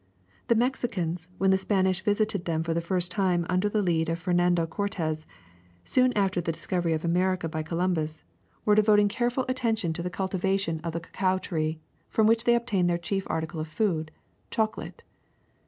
The Mexicans, when the Spanish visited them for the first time under the lead of Fernando Cortez, soon after the discovery of America by Columbus, were devoting careful at 193 194 THE SECRET OF EVERYDAY THINGS tention to the cultivation of the cacao tree, from which they obtained their chief article of food, chocolate.